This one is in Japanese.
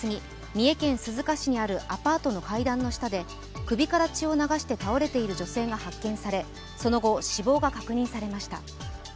三重県鈴鹿市にあるアパートの階段の下で首から血を流して倒れている女性が発見されその後、死亡が確認されました。